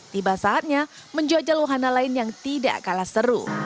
tiba saatnya menjual jeluhana lain yang tidak kalah seru